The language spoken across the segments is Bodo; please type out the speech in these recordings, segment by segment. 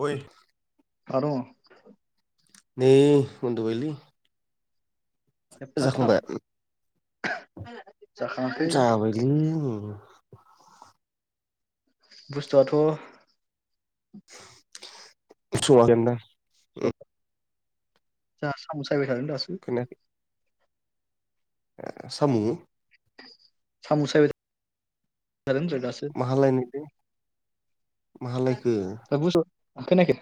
अय आर' नै उन्दुबायलै। एफा थाब जाखांबाय। जाखाङाखै जाबायलै उम। उम। बुस्थुआथ' [inaudible] जोंहा साम' सायबाय थादों दासो। खोनायाखै साम' साम' सायबाय थादों जों दासो माहा लायनायलै माहा लायखो [unintelligible] खोनायाखै?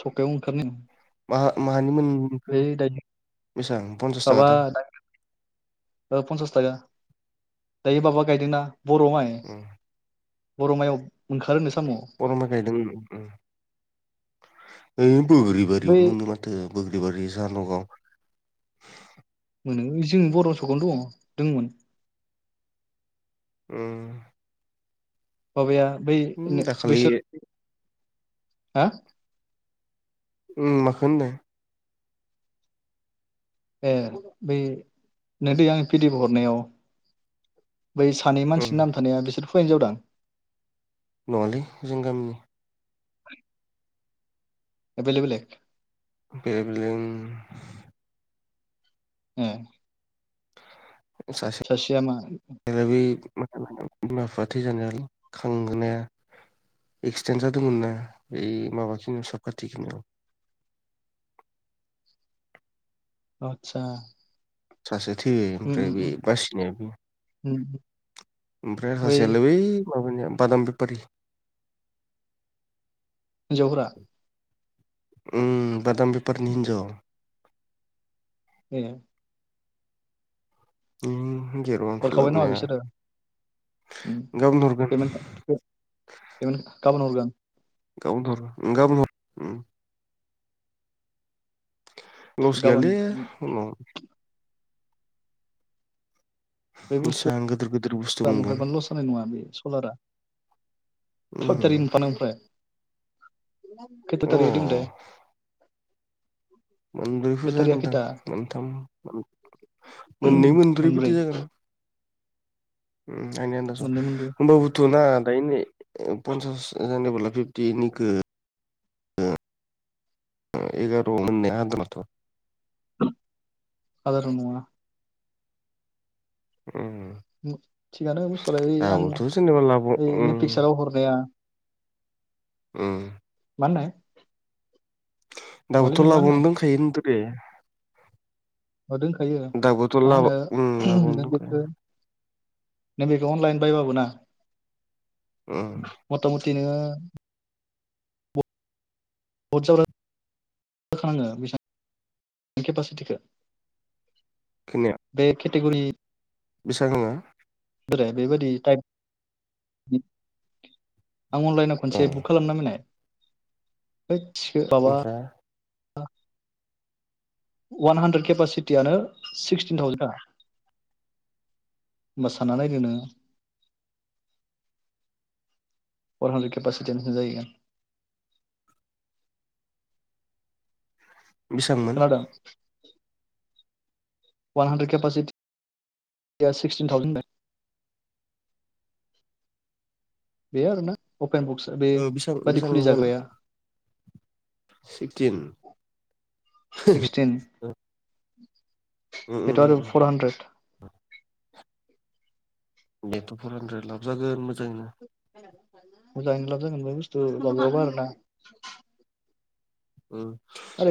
सखायाव ओंखारनो माहा माहानि मोनखो है दायो बेसेबां पन्सास थाखा दा? ओ पनसास थाखा। दायो माबा गायदोंना बर' माय। उम, बर' माइयाव ओंखारोनो साम' बर'माय गायदों ओ बोरि बै बोरियावनो मोनो माथो बोग्रिबारि जाहा नगाव [unintelligible] उम माबाया बै नो दाखालि बैसोर हो उम माखो होनदों ए बै नों दै आं पिडि एफ हरनायाव बै सानै मानसिनि नाम थानाया बिसोर हौवा हिन्जाव दां नङालै जों गामिनि [unintelligible] एभेलएबोल ए [unintelligible] उम सासे दालायबै बिमा बिफा थैजानायालाय खांहोनाया एक्सिडेन्ट जादोंमोन ना एै माबााखिनि सब खाथिखिनियाव [unintelligible] आदसा सासे थोयो उम ओमफ्राय उम बे उम बासिनाया बे उम, ओमफ्राय सासेयालाय बै माबानिया बादाम बेफारि हिन्जावफोरा उम बादाम बेफारिनि हिन्जाव ए [unintelligible] गाबोन हरगोन खाबोन हरगोन गाबोनहर उम गाबोन हर उम लस गाबोन गैयालै उनाव बे बिसां बुस्थुआ गिदिर गिदिर [unintelligible] खैथा उम टारिख आव अ दङ थाय मोनब्रैफोर जागोनदां खैथा मोनथाम मोन मोननै मोनब्रै बिदि जागोन उम आंनि आनदासाव मोननै मोनब्रै होमबाबोथ' थ' ना दायोनै पन्सास जानेबोला बिब्दि गो [unintelligible] आदाराव नङा उम उमथिगानो बुस्थुलाय आं दाबोथ' जेनेबा लाब ओइ उम नेप्लिक्साराव हरनाया उम माहोनाय दउथ' लाबावनो दंखायो होनदोरे अ दोनखायो दाबोथ' मा ला लाबोनो दंखायो नैबेखौ अनलाइन बायबाबो ना उम मथा मथि नोङो बत जावखाङो बे केपासिटिखौ खोनाया खेटेगुरि बेसांहोआ बोरो बेबायाददि थायफ आं अनलाइनाव अ खनसे बुक खालामना होनाय होथ थिखो माबा ओमफ्राय ओं अवान हान्द्रेड केपासिटियानो सिक्सटिन थावजेन आ होमबा सानना नायदोनो नोंङो फर हानद्रेद केपाससिथिया बेसां जाहैगोन बेसांमोन खोनादों वान हान्ड्रेड केपटिक्सटिज [unintelligible] बे आरोना अपेन बक्सआ ओ बेसां बेबादि खुलि जाग्राया सिक्टिन सिक्सटिन बेथ फर हान्ड्रेड बेथ' फरहानद्रेथ लाबजागोन मोजाङैनो मोजां लाब जागोनुथु आरो ना उम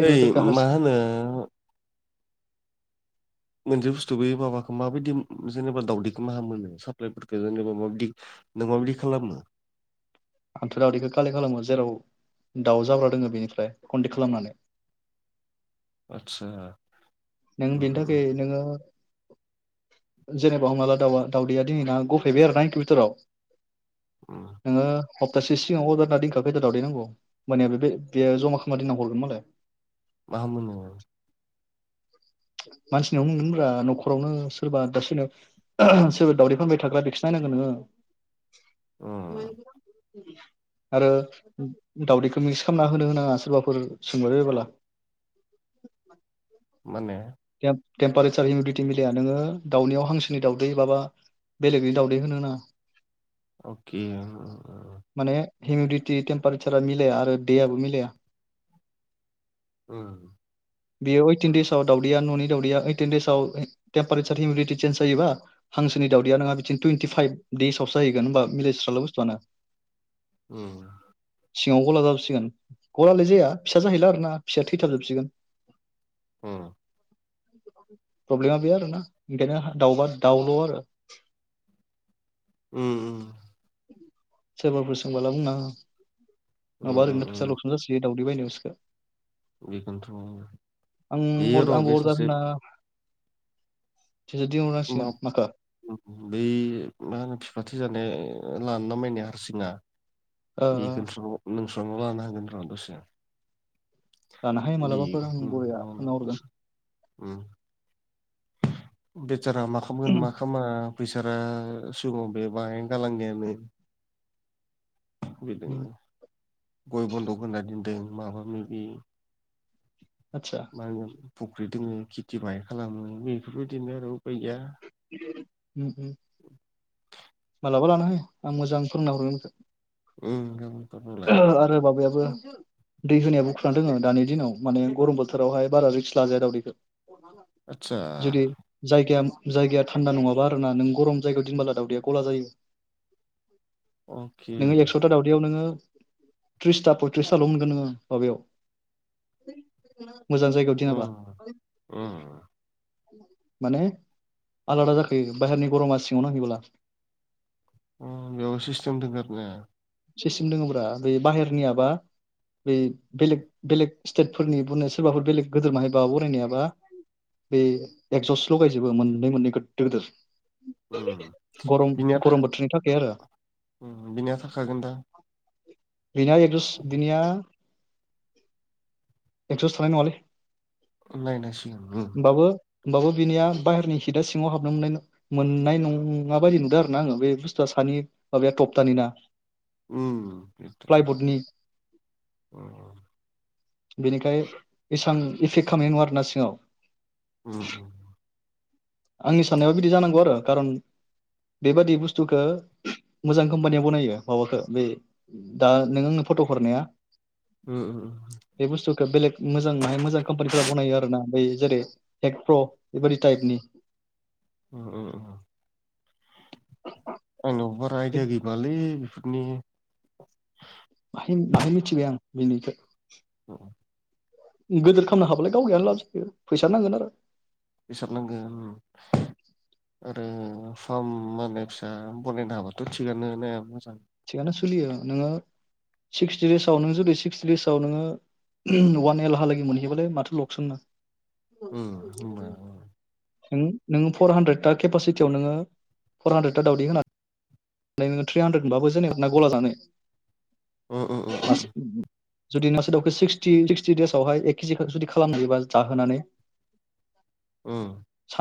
ओइ मा हारसिं होनो मोनसे बुस्थु बे माबाखौ माबायदि जेनेबा दावउदैखौ मा मोनो साप्लायफोरखौ जेनेबा माबायदि नों माबायदि खालामो आंथ' दावदैखौ कालेक्ट खालामो जेराव दाउ जाब्रा दोङो बेनिफ्राय कन्टेक्ट खालामनानै [inaudible] आतसा नों बे थाखाय नोङो जेनेबा हमनाला दाउ दावदैया दिनैनना गफैबाय आरो ना इक बिथटोराव उम नोंङो हप्तासे सिगाङाव अर्दार होनना दिंखा खैदा दावदैनांगौ मोनया बे बेयो जमा खालामना होनना हरगोन मालाय मा मोनो मानसिनावनो मोनगोनब्रा न'खरावनो सोरबा दा सोरनि सोरबा दावदै फानबाय थाग्रा बेखौ नोंङो उम आरो दावदैखौ मिक्स खालामना होनो होनाङा सोरबाफोर सोंबबाय बयबोला [inaudible] माने टेम्पारेसार हिउमिडटि मिलाया नोङो दाउनियाव हांसोनि दाउदै बाबा बेलेगनि दावउदै होनो नाङा अके हिउमिदिटि टेम्पारेसारा मिलाया आरो दैयाबो मिलाया उम बेयो ओइटिन देसआव दावदैया न'नि दावदैया ओइटिन दसाव मपारेसार हउमिटि चेन्स जायोा हांसोनि दावदैया नङा टुइन्टिफाइभ देसआवसोहैोन होनोमबा मिलायस्रला बुथुआनो उम सिङाव गला जाबोबसिगोन गलालाय जाया फिसा जाहैला आरोना फिसाया थैथाबजोबसिगोन अ प्रब्लेमा बे आरोना [unintelligible] दाउबा दाउल' आरो [inaudible] उम उम सोरबाफोर सोंबाला बुंना हो उम नङाबा ओरैनो फैसा उम लकसन जासिगोन दावदै बायनाय बिसोरखौ बेखौनोथ' बे आं र' बे आंबो अर्डार सासे होना दिहुननांसिगोन माखो बै मा होनो फिफा थैजानाय लान नामायनाय हारसिङा ओ बेखौस' नों [unintelligible] हागोनर' दसे लाना हाय बि मालाबाफोर आं बरिया फोरोंना बेसारा मा खालामामोन मा हरगोन खालामा बेसारा सिगाङाव बे बाहाय गालांनायानो बेजोंनो गय बन्दक होना दोनदों माबा माबि आदसा मा होनो फुख्रि दोङो खेथि बाहाय खालामो बेफोरबायदिनो आरो उपाय गैया। उम उम लाबा लानो हायो आं मोजां फोरोंना हरगोन नोंखो। उम गाबोनफोरनोलाय माबायाबो दै होनायाबो खोथा दोङो दानि दिनाव माने गरम बोथोरावहाय बारा रिक्स लाजाया दावदैखो आतसा जुदि जायगाया जायगाया थान्दा नङाबा आरो ना नों गरम जायगायाव दिनबोला दावदैया गला जायो। अके नोङो एक्स'था दावदैयाव नोङो थ्रिसता पयथ्रिसताल' मोनगोन नोङो माबायाव मोजां जायगायाव दिनाबा। उम उम माने आलादा जाखायो बाहेरनि गरमा सिङाव नांहैब्ला। अ बेयाव सिस्टेम दोङो आरो ना? सेस्टिम दङ' ब्रा बे बाहेरनियाबा बे बेलेग बेलेग स्टेटफोरनि बुंनाय सोरबाफोर बेलेग गोदोर बाहायबा बनायनायाबा बे एकजसटल' लगायजोबो मोननै मोननै गोदोर गोदोर। उम गरम बिनिया था गरम बोथोरनि थाखाय आरो। बिनिया थाखागोन दा? बिनिया एकज'स बिनिया एकजस थानाय नङालै। नायनांसिगोन उम होनबाबो होनबाबो बिनिया बाहेरनि सिङाव हाबनो मोननाय मोननाय नं ङा माबायदि नुदों आरो ना आङो बे बुस्थुआ सानि माबाया थकतानि ना प्लाइबर्डनि उम बेनिखाय एसां इफेक्ट खालामनाय नङा आरो ना सिङाव। उम आंनि साननायाबा बिदि जानांगौ आरो खारन बेबादि बुस्थुखो मोजां कम्पानियाव बनायो माबाखौ बे दा नों आंनो फट' हरनाया उम बे बुस्थुखौ बेलेग मोजां माहाय मोजां कम्पानिफोराव बनायो आरो ना। बि जेरै हेकप्र' बेबायादि टाइपनि। उम आंनावबो बारा आयदा गैबाङालै बिफोर नि। बाहाय बाहाय मिथिबाय आं बिनखो [unintelligible] गोदोर खामनो हाबालाय गावगायानो लाब जायो फैसा नांगोन आरो। फोसाबो नांगोन उम। आरो फार्म मा होनो फिसा बनायनो हाबाथ' थिगानो नायाबो मोजां। थिगानो सोलियो नोङो सिक्सटि देसाव नों जुदि सिक्सटि देसाव नोङो अवान एलहा लागि मोनहै बालाय माथो लगसन ना? उम होमबा नों नोङो फर हान्द्रेट ता केपासिटियाव नोङो फर हान्द्रेद ता दावदै होना नै नोङो थ्रि हान्द्रेद मोनबाबो जोंनिखौ ना गला जानो उम उम उम उम जुदि मासे दावखौ सिक्सटि सिक्सटि देसावहाय एक केजि जुदि खालामनो हायोबा जाहोनानै [inaudible] उम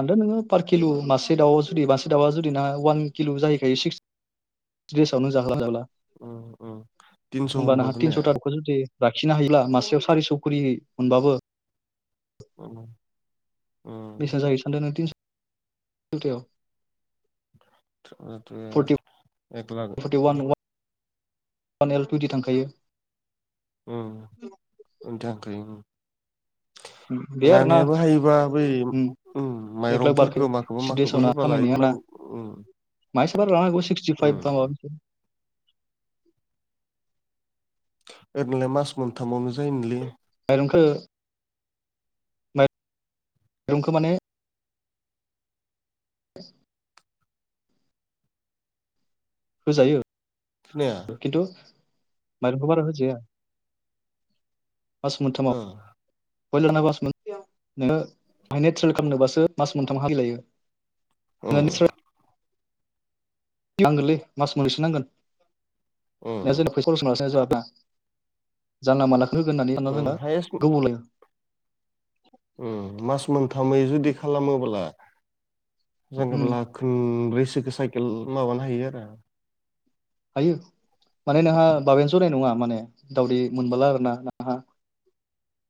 दा नोङो पार केलु मासे दाउआ जुदि मासे दाउआ जुदि नोंहा अवान किल जाहैखायो सिक्सटि देसावनो जाहला जला उम उम तिनस' ओमबा नोंहा होनबाबो ने तिनस' ता दावखौ जुदि लाखिनो हायोब्ला मासेयाव सारिस' खरि मोनबाबो उम बेसे जाहैयो सानदों नों तिनसतायाव? थ थ एक लाख' अवान एल टुयेनति थांखायो ओम ओं थांखायो ओं बे आरो ना हायोबा बै ओम उ एख लाख बारखो माइरंफोरखौ माखौबा माखौबा सिदेसावना होबालाय खामायनाया ना इमान उ उ [unintelligible] ओरैनोलाय मास मोनथामावनो जायोमोनलै माइरंखौ रुमखौ माने [unintelligible] होजायो खोनाया [inaudible] खिन्थु माइरंखौ बारा होजाया फास ओ मोनथामाव बयलाना बास मोन नोङो ट्रेल खालामनोबासो मास मोनथाम हा‌ लागै लायो औ नांगोलै मास मोननैसो नांगोन ओ दा जोंनो फैसा लस [unintelligible] [unintelligible] जानला मानलाखौ होगोन होननानै सानना ओ जोङो गोबाव लायो ओम मास मोनथामै जुदि खालामोब्ला उम जेनेब्ला खनब्रैसोखौ साइकेल माबानो हायो आरो हायो माने नोंहा बाबायानो जनाय नङा माने दावदै मोनबोला आरो ना नोंहा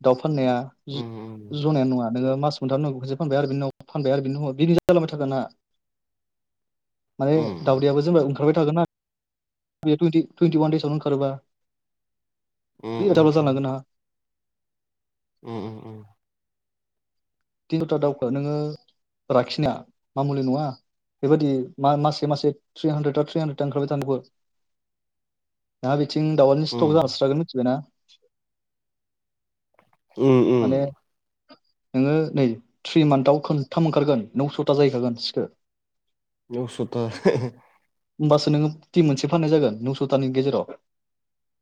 दाउ फाननाया उ ज जनायानो नङा नोङो मास मोनथामनि उनाव खेबसे फानबाय आरो बिनि उाव फानबाय आरो बिनि उनाल बिदि जालाबाय थागोन नोंहा माने उ दावदैआबो जेनबा ओंखारबाय थागोना टुइन्टि टुइन्टि अवान देसावनो ओंखारोबा उ [unintelligible] ओम ओम ओम थिनस'ता दाउखौ नोङो राखिनाया मामुलि नङा बेबायदि मा मासे मासे थ्रि हान्द्रेद ता थ्रि हान्द्रेद ता ओंखारबाय थानांगौ नोंहा बिथिं दाउ आनो स्टक जास्रागोन मिथिबायना उम उम माने नोङो नै थ्रि मान्थाव खोनथाम ओंखारगोन नौस'था जाहैखागोन सिखो नौस' ता होमबासो नोङो टिम मोनसे फाननाय जागोन नौस'तानि गेजेराव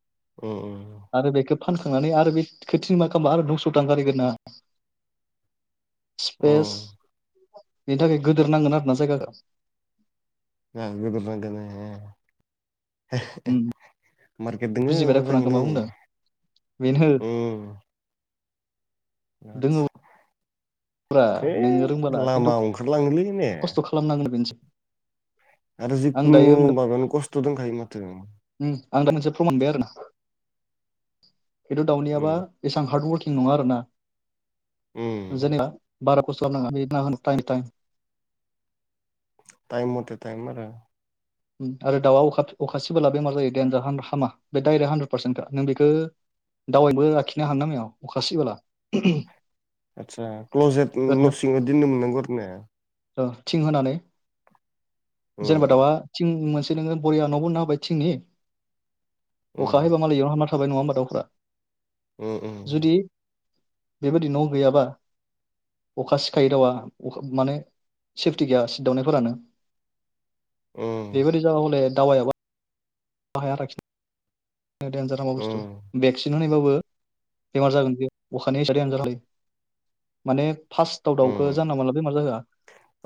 उम उम आरो उम बेखौ फानखांनानै आरो बे खोथिनि मा खालामबा आरो नौस' ता ओंखारहैगोन नोंहा अ स्पेस बेनि थाखाय गोदोर नांगोन आरो ना जायगाखौ गोदोर नांगोन ए ए हे उम मार दोङो बुजिबाय दा मोजां खुरांखौ ओयनो मा बुंदों बेनो ओम दोङोब्रा [inaudible] है नोङो रोंबोला खिन्थु लामाव ओंखारलाङोलै ने खस्थ' खालामनांगोन बेनोसै आरो आं जिखुनु दायो उम बागानाव कस्थ दंखायो माथो आं दा मोनसे फ्रम मोनबाय आरोना खिनथु दाउनियाबा उम एसां हार्द वर्क नङा आरोना उम जेनेबा बारा खस्ट' खालामनांगा [unintelligible] टाइम मथे टाइम आरो आरो दाउआ अखा अखासिबोला बेमार जायो देनजार हामा हामा बे दाइरेक्ट हानद्रेद पारसेन्टखा नों बेखौ दावायाबो लाखिनो हानो नायगिरा अखा सिबोला आदसा क्लजेट [unintelligible] दोननो मोननांगौ आरो ना औ थिं होनानै जेनेबा उम दाउआ थिं मोनसे नोङो बरिया न' बानायना होबाय थिंनि उम अखा हाबा मालाय बेयावनो हाबना थाबाय नङा होमबा दाउफ्रा उम उम जुदि बेबायदि न' गैयाबा अखा सिखायो दाउवा अ माने सेफटि गैया सिदावनायफोरानो उम बेबायदि जाबा हले दावायाबा हाया लाखिनो देनजार हामा बस्थु उम भेक्सिन होनायबा बो बेमार जागोन बे अखानि [unintelligible] माने फार्स्ट दाव दावखौ उम जाना मोनला बेमार जाहोआ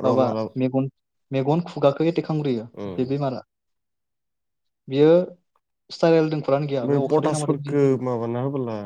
र' माबा मालाबा मेगन मेगन खुगाखौ एटेक खामग्रोयो उम बे बेमारा बियो स्टाइरलदों [unintelligible] गैया बे अखादै नांबाथाय बिदिनो पटासफोरखो जायो। माबाना होबोला